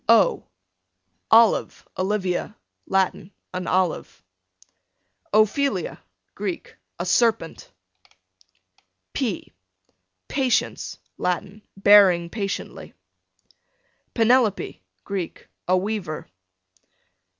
O Olive, Olivia, Latin, an olive. Ophelia, Greek, a serpent. P Patience, Latin, bearing patiently. Penelope, Greek, a weaver.